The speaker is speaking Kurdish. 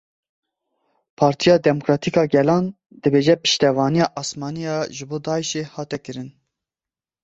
Partiya Demokratîk a Gelan dibêje piştevaniya asmanî ya ji bo Daişê hate kirin.